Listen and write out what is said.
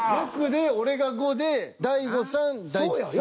６で俺が５で大悟さん大吉さん。